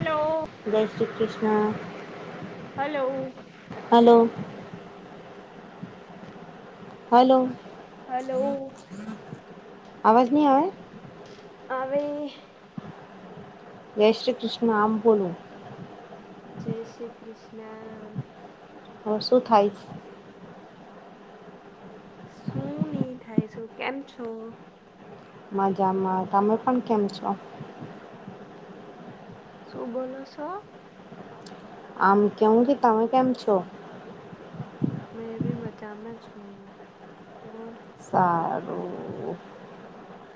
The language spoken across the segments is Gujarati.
હલો જય Shri Krishna. Hello. Hello hello, hello અવાજની આવે? આવે. જય શ્રી કૃષ્ણા, આમ બોલો. જય શ્રી કૃષ્ણા. હ શું થાય. શું ની થાય શું કેમ છો? મજામાં તમે પણ કેમ છો? શું બોલોસો. આમ કેવું કે તમે કેમ છો? મેં બી મજામે છુ હું સારું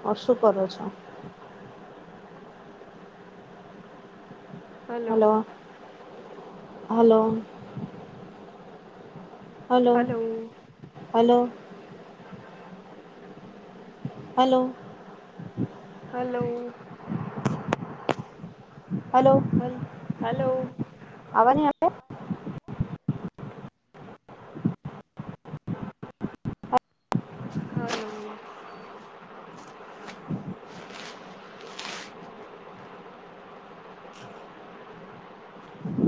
હ શું કરો છો. Hello. Hello. Hello. Hello. Hello. Hello. હલ હલો. આવાની અએ. હાલો.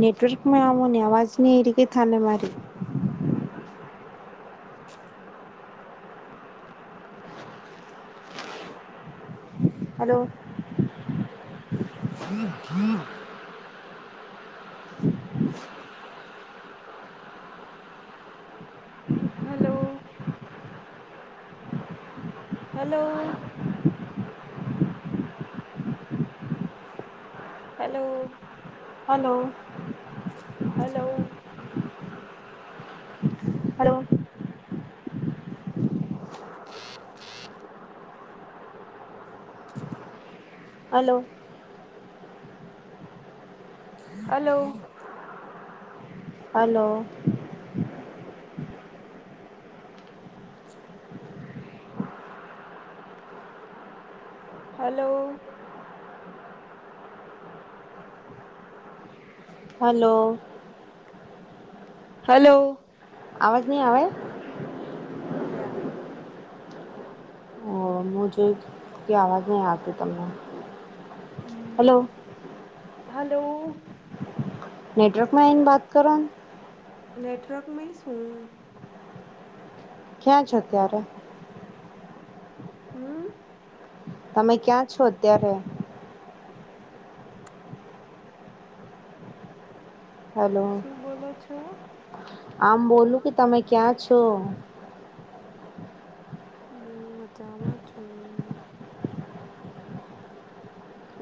નેટવર્ક માં આવો ને અવાજની એરી કે થાને મારી. Hello. Hello. Hello. Hello hello hello hello hello hello hello hello hello hello અવાજ નહી આવે અબેવેરી મુજ કોઈ આવાજ નહીં આવતી તમને હેલો હાલો નેટવર્કમાં આવીન વાત કરોને નેટવર્ક મે શું ક્યાં છે અત્યારે હમ તમે ક્યાં છો અત્યારે હલો શું બોલો છો આમ બોલું કે તમે ક્યાં તો મું મજામાં છું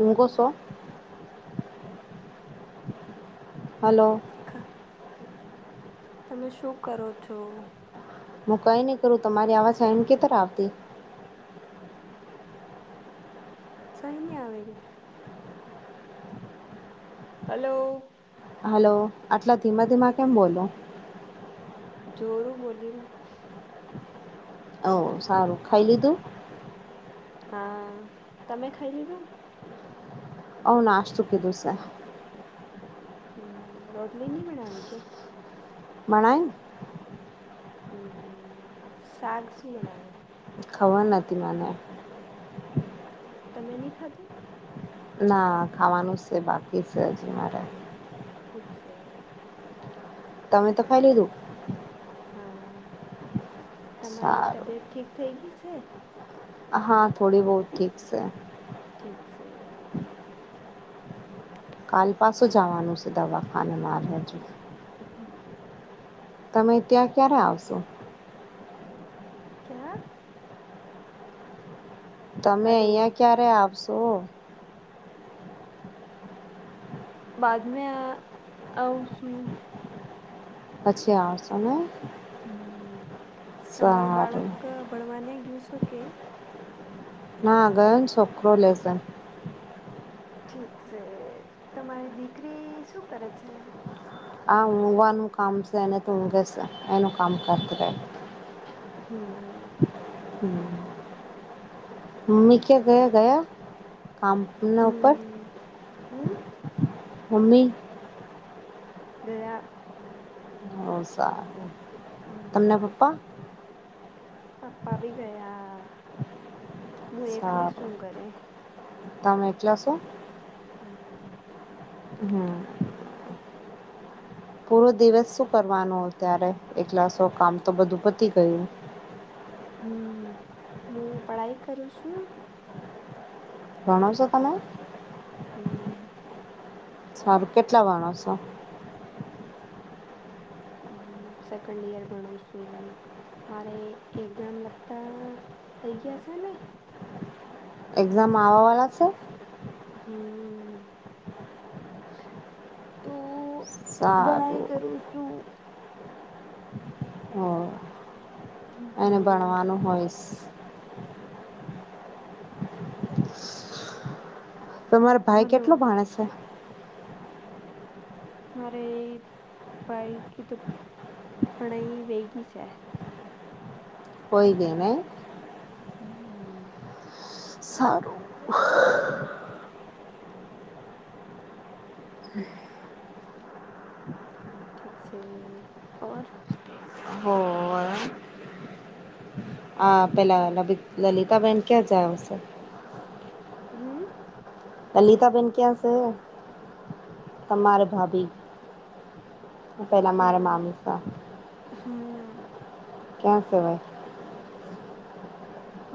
ઉકોસો હલો ખ તમે શું કરો છો હું કઈ નહી કરું તમારી આવાજ એમ કે તર આવતી છૈન અવેલી હલો હાલો આટલા ધીમા ધીમા કેમ બોલો જોરું બોલીને હ સારું ખાઈ લીધું હા તમે ખાઈ લીધું અ નાશ સુુ ક દુંસે હમ રોટલી નઈ બનાવી કે માણાન હમ સાક શું બનાયુ ખબર નથી મને તમે નહી ખાધું ના ખાવાનું છે બાકી છે હજી મારે ઠીક છે તમે તો ખાઇ લીધું હા તમારી સારું તબિયત ઠીક થઈ ગઈ છે હા થોડી બહુ ઠીક છે ઠીક છે કાલ પાસો જવાનું છે દવાખાને મારે હજી હ તમે ત્યાં ક્યારે આવશો ક્યા તમે હલો અહિયાં ક્યારે આવશો બાદ મે આવશું પછી આવ સો ને હમ તમારું સારું બાળક ભણવાને ગયું છો કે ના ગયો છોકરો લેશે ઠીક છે તમારી દીકરી શું કરે છે આ ઊંઘવાનું કામ છે એને તો ઊંઘે છે એનું કામ કરે છે હમ હમ મમ્મી ક્યાં ગયા ગયા કામ ઉપર હમ હમ મમ્મી ગયા ઓ સારું તમને પપ્પા પાપા ભી ગયા હું એકલી સારું સુંં ઘરે એ તમે એકલા શો હા પૂરો દિવસ શું કરવાનો ત્યારે એકલાસો કામ તો બધું પતિ ગયું હમ હું પઢાઈ કરું છું ભણો શો તમે હમ સારું કેટલા વાણો છો હમ સેકન્ડ ઈયર‌ ભણું છું મારે એક્ઝામ લગતા થઈ ગયા છે ને એક્ઝામ આવવા વાળા‌ છે હમ તો ભણાઈ સારું કરો સું હ એને હમ ભણવાનું હોય તો મારા ભાઈ હલો કેટલો ભણે છે મારે એ પઇકી તો પણાઈ વેગી છે હોય ગને હમ સારું ઠીક છે આવર હો હા પહેલાં લલિતાબેન ક્યાં જાયશે હમ લલિતાબેન ક્યાં છે તમારે ભાભી પેલા મારે મામીસા હું ક્યાં સવાય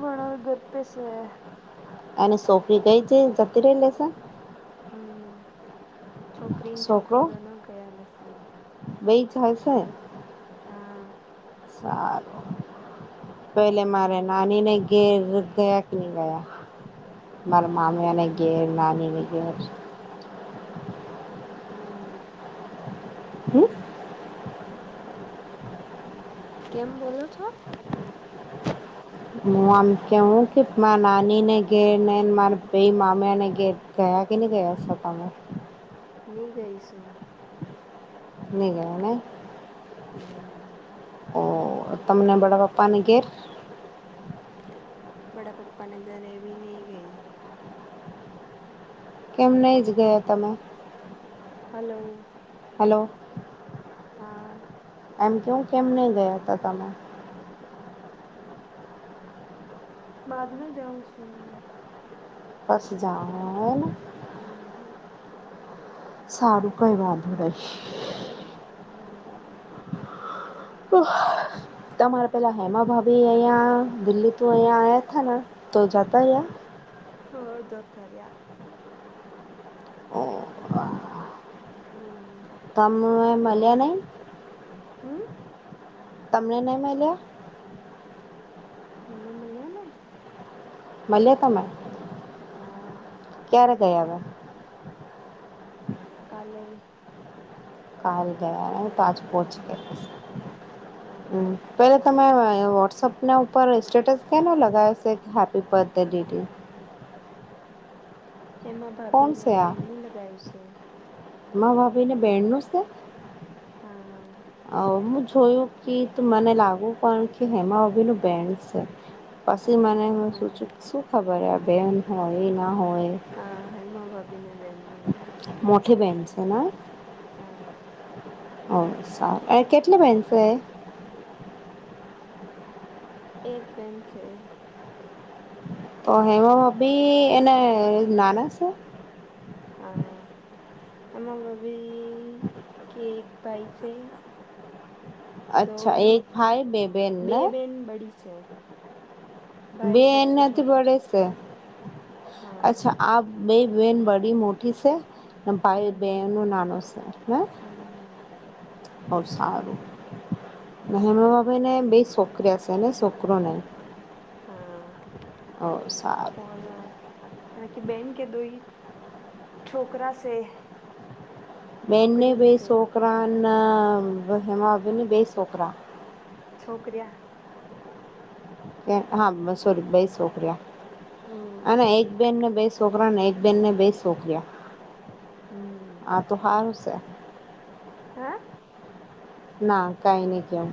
માણલ ગરપ્ય છે અને સોપરી ગઈ છે જતી રહી લેશે હ છોકરીને છોકરો દો ન ગયા લેસન બેાઈ જ હશે હા સારું પેલે મારે નાનીને ઘેર ગયા કે નહીં ગયા મારા મામ્યાને ઘેર નાનીને ઘેર નહી હમ કેમ બોલો છો વા કે હું કે મા નાનીને ઘેર ને મારા બેાઈ મામ્યાને ઘેર ગયા કે નહી ગયા [unintelligible] ની ગઈશું. નહીં ગયા હ ને હમ. ઓ તમને વડાપપ્પાની ઘેર બડાા પાપ્પાને ઘરે બ ન ગઈ. કેમ નહી જ ગયા તમે. હલો. હલો. હા. એમ કે હું કેમ નહીં ગયા હતા તમે. બાદમાં જાઉં છું. બસ જા એને હમ. સારું કઈ વાંધ ન હમમ તમારે પેલા હેમા ભાભી અહિયાયા દિલ્હી ત અહિયાયા થના તો જતા યયા હ દ ત રહ્યા. હુ તમ મલ્યાણ નઈ. હમ. તમને નહી મળલ્યા. મલે મલ્યાને. મળ્યા તમે હા ક્યારે ગયાવે. કાલે. કાલ ગયા તજ પહચી ગ હ હા પેલા તમે વોટ્સઅપના ઉપર સ્ટેટસ કેનો લગાવ છે. હેપી બર્થ ડે ડીડી. હેમા કોણ ભાભીને બેનનું લગાવું છે. હેમાં ભાભી ને બેણનુંસ હા. હું જોયું કે મને લાગુ પણ કે હેમા ઓભી ન બેન્ડ પછી મને હા શું ખબર આ બેન હોય ના હોય. હા હેમા ભાભી ને બેહેનનું. મોઠ બેન્ છે. હા. ઓ સારું [unintelligible] કેટલી બેન છે એ. એક બેન છે. તો હેમાભાભી એને નાના છે. આ. [unintelligible] હેમાભાભી [unintelligible] કેક ભાઈ [unintelligible] છે. અચ્છા દોનો એક ભાઈ બે બે બેનને. બેન બડી છે. [unintelligible] બે ભાઈ એ સબસું નથી છોટું બડે છે. હા અચ્છા બે બેહેન બડી મોઠી છે, અને ભાઈ હમ બેનો નાનો છે. હ હમ બવ સારું હમ ને [unintelligible] બે સો શુકિયાશેને [unintelligible] શોકરોને હા ઓ સાર હ [unintelligible] કે બેન કે દઈ છોકરા છે. બેનને બે છોકરા ના હેમાભીને [unintelligible] બે છોકરા છોકરીયા. હા સોરી [unintelligible] બે છોકરીિયા હમ અને એક બેનને બે છોકરા ને એક બેનને બે છોકરીયા હમ હા તો હારું છે. હે. ના, કયનીકેવ.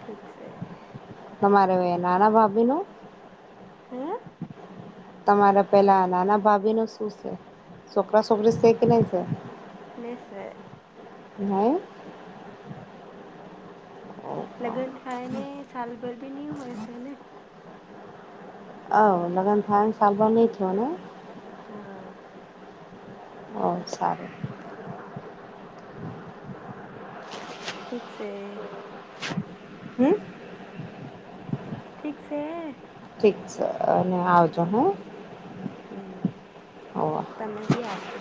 ઠીક છે. તમારે વે નાના ભાભી નું? હે. તમારે પેલા નાના ભાભી ન શું છે, છોકરા છોકરી છે કે નઈ છે. નિશે. હવ. લગ્ન થાયને સાલભર બી નહી હોયશે ને. આવ લગન થાય સારવાર ન થયોને. હા. ઓ સારું. ઠીક છે. હમ્મ. ઠીક છે. ઠીક છે અને આવજો હા. હમ્મ તમે ભી આવજો.